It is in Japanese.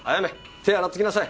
手洗ってきなさい！